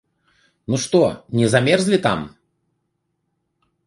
Ну што, не замерзлі там?